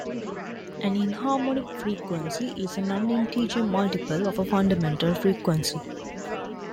An inharmonic frequency is a non-integer multiple of a fundamental frequency.